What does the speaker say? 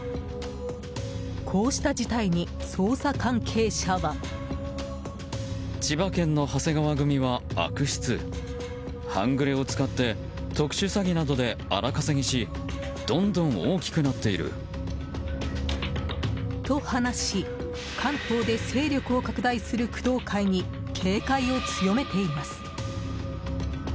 こうした事態に捜査関係者は。と話し関東で勢力を拡大する工藤会に警戒を強めています。